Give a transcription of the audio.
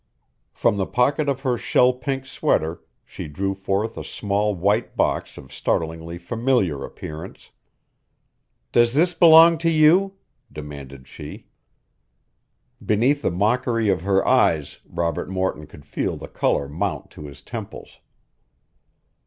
From the pocket of her shell pink sweater she drew forth a small white box of startlingly familiar appearance. "Does this belong to you?" demanded she. Beneath the mockery of her eyes Robert Morton could feel the color mount to his temples.